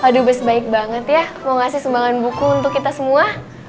aduh best baik banget ya mau ngasih sumbangan buku untuk kita semua